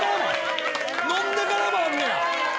飲んでからもあんねや！